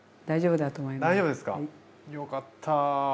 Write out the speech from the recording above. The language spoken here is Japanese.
大丈夫ですかよかった！